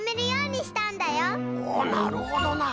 なるほどな。